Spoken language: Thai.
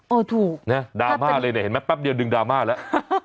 เออถูกเนี้ยดราม่าอะไรน่ะเห็นไหมแป๊บเดียวดึงดราม่าแล้ว